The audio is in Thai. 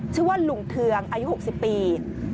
ชื่อว่าลุงเทืองอายุ๖๐ปี